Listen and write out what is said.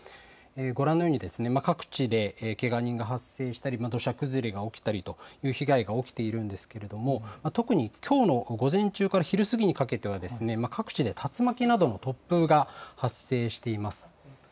ご覧のように、各地でけが人が発生したり、土砂崩れが起きたりという被害が起きているんですけれども、特に、きょうの午前中から昼過ぎにかけては、各地で竜巻などの突風が発生しています。